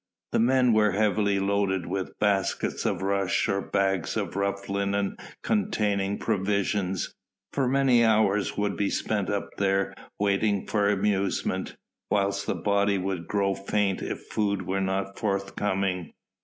The men were heavily loaded with baskets of rush or bags of rough linen containing provisions, for many hours would be spent up there waiting for amusement, whilst the body would grow faint if food were not forthcoming.